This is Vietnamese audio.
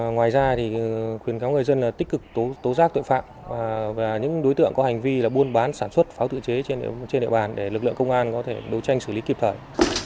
ngoài ra thì khuyến cáo người dân là tích cực tố giác tội phạm và những đối tượng có hành vi là buôn bán sản xuất pháo tự chế trên địa bàn để lực lượng công an có thể đấu tranh xử lý kịp thời